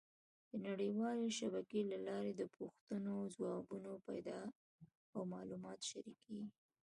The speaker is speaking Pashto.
د نړیوالې شبکې له لارې د پوښتنو ځوابونه پیدا او معلومات شریکېږي.